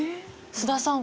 須田さん